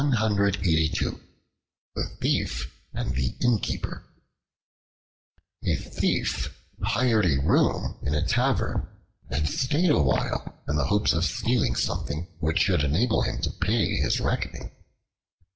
The Thief and the Innkeeper A THIEF hired a room in a tavern and stayed a while in the hope of stealing something which should enable him to pay his reckoning.